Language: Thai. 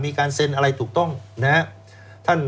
มีการเซ็นอะไรถูกต้องนะครับ